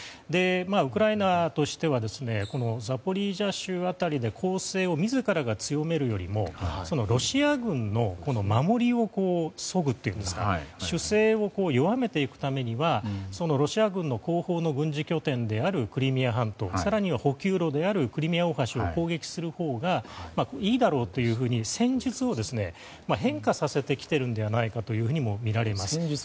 ウクライナとしてはザポリージャ州辺りで攻勢を自らが強めるよりロシア軍の守りを削ぐといいますか守勢を弱めていくためにはそのロシア軍の後方の軍事拠点であるクリミア半島や更に補給路のクリミア大橋を攻撃するほうがいいだろうと戦術を変化させてきているのではないかとみられます。